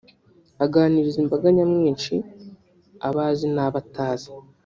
aganiriza imbaga nyamwinshi abo azi n’abo atazi